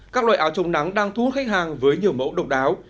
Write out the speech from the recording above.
các loại áo chống nắng đang thu hút khách hàng với nhiều mẫu độc đáo